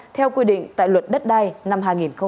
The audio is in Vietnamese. theo quy định tại luật đất đai năm hai nghìn một mươi ba